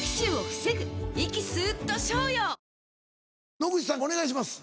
野口さんお願いします。